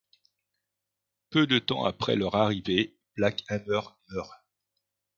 Peu de temps après leur arrivée, Black Hammer meurt.